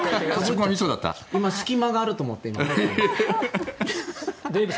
今、隙間があると思って。